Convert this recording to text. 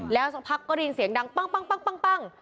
แล้วสักพักก็ได้ยินเสียงดังปั้ง